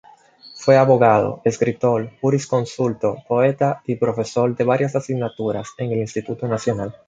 Fue abogado, escritor, jurisconsulto, poeta y profesor de varias asignaturas en el Instituto Nacional.